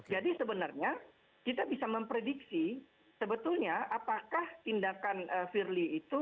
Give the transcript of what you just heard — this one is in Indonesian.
jadi sebenarnya kita bisa memprediksi sebetulnya apakah tindakan firly itu